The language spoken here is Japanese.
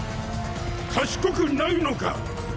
賢くないのか？